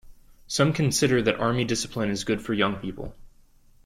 Some consider that army discipline is good for young people.